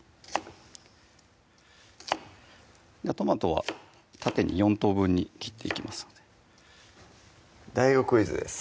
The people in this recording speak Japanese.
トマトは縦に４等分に切っていきますのでＤＡＩＧＯクイズです